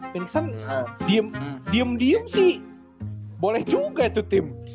phoenix suns diem diem sih boleh juga itu tim